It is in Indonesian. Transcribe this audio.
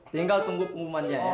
tinggal tunggu keumumannya ya